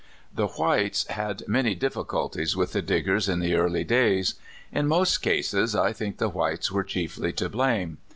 The whites had many difficulties with the Dig gers in the early days. In most cases I think the whites were chiefly to blame.